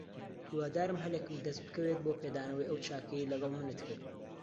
هیوادارم هەلێکم دەست بکەوێت بۆ پێدانەوەی ئەو چاکەیەی لەگەڵ منت کرد.